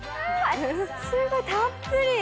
すごいたっぷり。